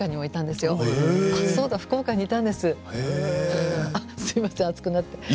すみません、熱くなって。